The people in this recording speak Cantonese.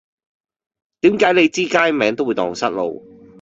點解你知街名都會盪失路